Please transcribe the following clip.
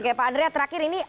oke pak andrea terakhir ini